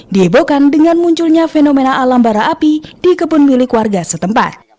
dihebohkan dengan munculnya fenomena alam bara api di kebun milik warga setempat